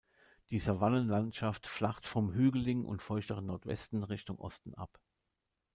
Die Savannen-Landschaft flacht vom hügeligen und feuchteren Nordwesten Richtung Osten ab.